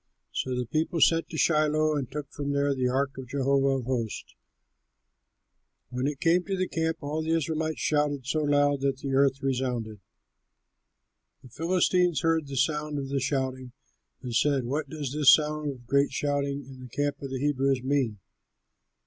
So the people sent to Shiloh and took from there the ark of Jehovah of hosts. When it came to the camp, all the Israelites shouted so loud that the earth resounded. The Philistines heard the sound of the shouting and said, "What does this sound of great shouting in the camp of the Hebrews mean?"